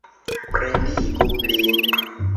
Pendigu lin!